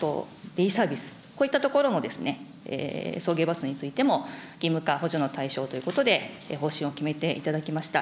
デイサービス、こういったところも、送迎バスについても義務化、補助の対象ということで、方針を決めていただきました。